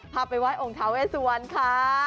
พาไปไว้องค์ถ้าเวสวรค่ะ